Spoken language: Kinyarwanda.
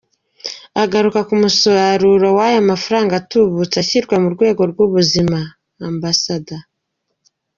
Agaruka ku musaruro w’aya mafaranga atubutse ashyirwa mu rwego rw’Ubuzima, Amb.